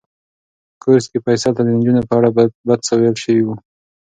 په کورس کې فیصل ته د نجونو په اړه بد څه ویل شوي وو.